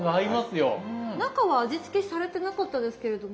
中は味付けされてなかったですけれども。